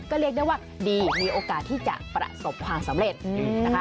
ก็เรียกได้ว่าดีมีโอกาสที่จะประสบความสำเร็จนะคะ